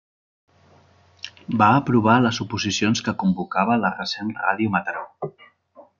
Va aprovar les oposicions que convocava la recent Ràdio Mataró.